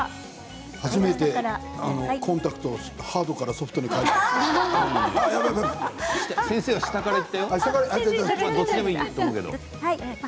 初めてコンタクトをハードからソフトに先生は下からいったよ。